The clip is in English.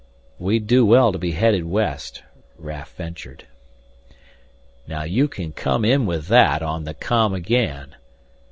"We'd do well to be headed west," Raf ventured. "Now you can come in with that on the com again!"